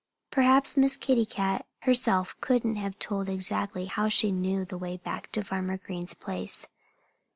Perhaps Miss Kitty Cat herself couldn't have told exactly how she knew the way back to Farmer Green's place.